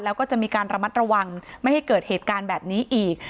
แล้วก็จะมีการระมัดระวังไม่ให้เกิดเหตุการณ์แบบนี้อีก